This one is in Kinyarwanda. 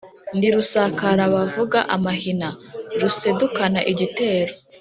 Ndi Rusakara bavuga amahina, rusedukana igitero,